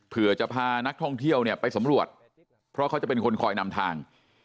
เพื่อจะพานักท่องเที่ยวเนี่ยไปสำรวจเพราะเขาจะเป็นคนคอยนำทาง